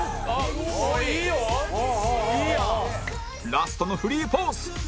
ラストのフリーポーズ